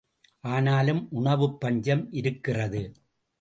ஆனாலும் உணவுப் பஞ்சம் இருக்கிறது!